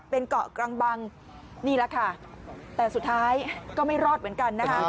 เป็นเกาะกลางบังนี่แหละค่ะแต่สุดท้ายก็ไม่รอดเหมือนกันนะคะ